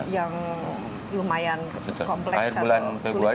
yang lumayan kompleks atau sulit juga bisa ya